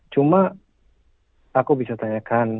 cuma aku bisa tanyakan